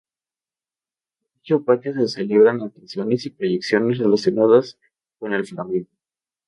En dicho patio se celebran actuaciones y proyecciones relacionadas con el flamenco